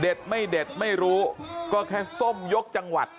ไม่เด็ดไม่รู้ก็แค่ส้มยกจังหวัด